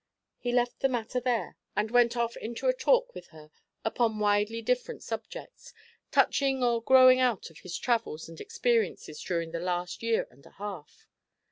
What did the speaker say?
He left the matter there, and went off into a talk with her upon widely different subjects, touching or growing out of his travels and experiences during the last year and a half.